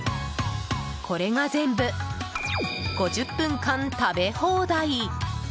これが全部５０分間食べ放題。